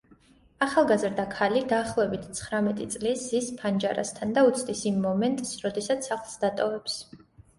ახალგაზრდა ქალი, დაახლოებით ცხრამეტი წლის, ზის ფანჯარასთან და უცდის იმ მომენტს როდესაც სახლს დატოვებს.